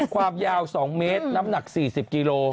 ความยาว๒เมตรน้ำหนัก๔๐กิโล